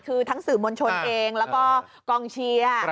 คือทั้งสื่อมวลชนเองแล้วก็กองเชียร์